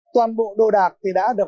toàn bộ đồ đạc thì đã được